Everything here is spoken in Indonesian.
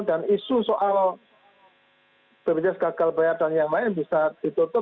dan isu soal bpjs gagal bayar dan yang lain bisa ditutup